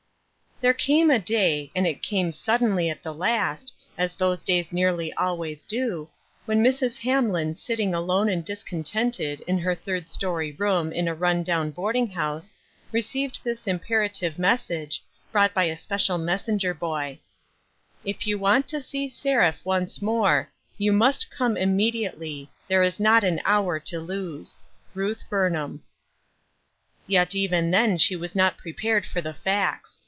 THERE came a day, and it came suddenly at the last, as those days nearly always do, when Mrs. Hamlin sitting alone and discontented in her third story room in a down town boarding house, received this imperative message, brought by a special messenger boy : If you want to see Seraph once more, you must come imme diately ; there is not an hour to lose. Ruth Burnham. Yet even then she was not prepared for the facts.